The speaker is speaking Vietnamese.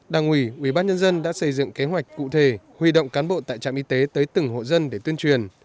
đảng ủy ubnd đã xây dựng kế hoạch cụ thể huy động cán bộ tại trạm y tế tới từng hộ dân để tuyên truyền